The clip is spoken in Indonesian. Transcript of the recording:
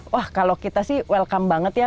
wah kalau kita sih welcome banget ya